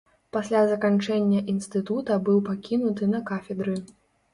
Пасля заканчэння інстытута быў пакінуты на кафедры.